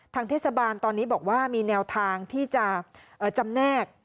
เทศบาลตอนนี้บอกว่ามีแนวทางที่จะจำแนก